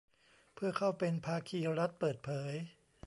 เพื่อเข้าเป็นภาคีรัฐเปิดเผย